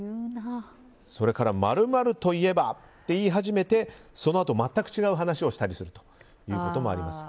それから○○といえばって言い始めてそのあと全く違う話をすることもあります。